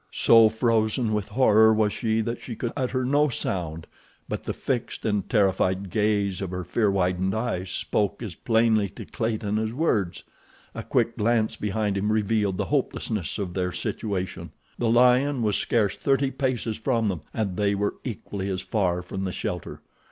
So frozen with horror was she that she could utter no sound, but the fixed and terrified gaze of her fear widened eyes spoke as plainly to Clayton as words. A quick glance behind him revealed the hopelessness of their situation. The lion was scarce thirty paces from them, and they were equally as far from the shelter.